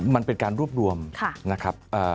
มันเป็นการรวบรวมนะครับ